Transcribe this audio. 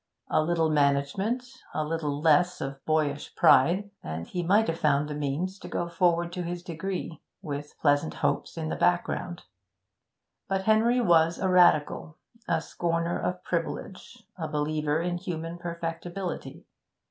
A little management, a little less of boyish pride, and he might have found the means to go forward to his degree, with pleasant hopes in the background; but Henry was a Radical, a scorner of privilege, a believer in human perfectibility.